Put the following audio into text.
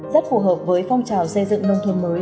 rất phù hợp với phong trào xây dựng nông thôn mới